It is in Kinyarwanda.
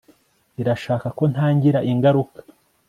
irashaka ko ntagira ingaruka